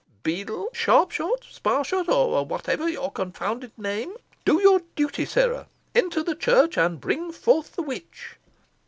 Beadle! Sharpshot, Sparshot, or whatever be your confounded name do your duty, sirrah. Enter the church, and bring forth the witch."